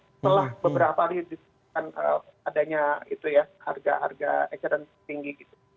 setelah beberapa hari adanya harga harga ekstensi tinggi